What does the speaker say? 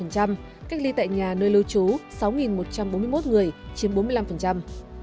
cách ly tại nhà nơi lưu trú sáu một trăm bốn mươi một người chiếm bốn mươi năm